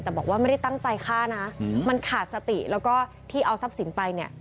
แต่บอกว่าไม่ได้ตั้งใจฆ่านะมันขาดสติแล้วก็ที่เอาทรัพย์สินไปเนี่ย